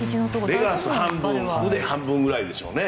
レガース半分腕半分ぐらいでしょうね。